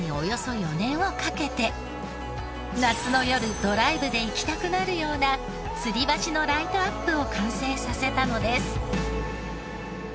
夏の夜ドライブで行きたくなるような吊り橋のライトアップを完成させたのです。